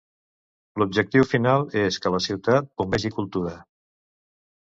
L'objectiu final és que la ciutat "bombegi" cultura.